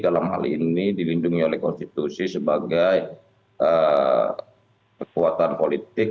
dalam hal ini dilindungi oleh konstitusi sebagai kekuatan politik